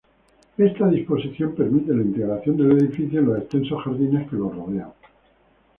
Esta disposición permite la integración del edificio en los extensos jardines que lo rodean.